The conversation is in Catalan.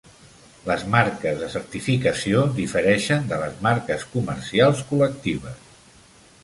Les marques de certificació difereixen de les marques comercials col·lectives.